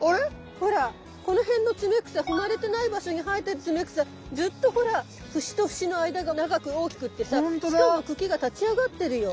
ほらこの辺のツメクサ踏まれてない場所に生えてるツメクサずっとほら節と節の間が長く大きくってさしかも茎が立ち上がってるよ。